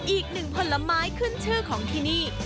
อีกหนึ่งผลไม้ขึ้นชื่อของที่นี่